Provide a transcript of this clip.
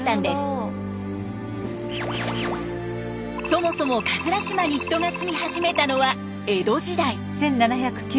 そもそも島に人が住み始めたのは江戸時代。